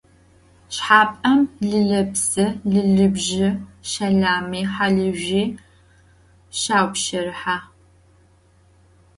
Şşxap'em lılepsi, lılıbji, şelami, halızjüi şaupşerıhe.